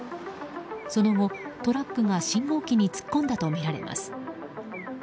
その後、トラックが信号機に突っ込んだとみられます。